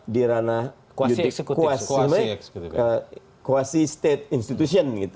di ranah quasi state institution